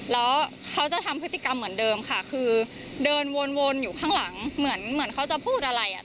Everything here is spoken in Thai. แล้วเขาจะทำพฤติกรรมเหมือนเดิมค่ะคือเดินวนอยู่ข้างหลังเหมือนเหมือนเขาจะพูดอะไรอ่ะ